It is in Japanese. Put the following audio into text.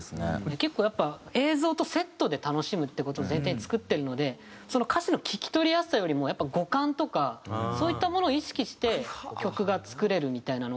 結構やっぱ映像とセットで楽しむって事を前提に作っているので歌詞の聞き取りやすさよりもやっぱ五感とかそういったものを意識して曲が作れるみたいなのが。